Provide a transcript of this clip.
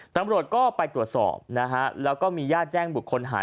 ตำรวจก็ไปตรวจสอบนะฮะแล้วก็มีญาติแจ้งบุคคลหาย